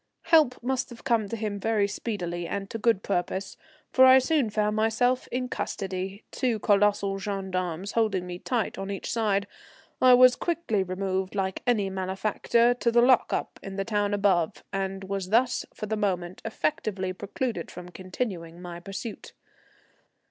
Help must have come to him very speedily and to good purpose, for I soon found myself in custody, two colossal gendarmes holding me tight on each side. I was quickly removed like any malefactor to the lock up in the town above, and was thus for the moment effectively precluded from continuing my pursuit.